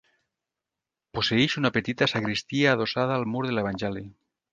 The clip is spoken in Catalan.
Posseïx una petita sagristia adossada al mur de l'Evangeli.